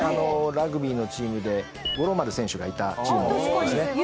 ラグビーのチームで五郎丸選手がいたチームですね。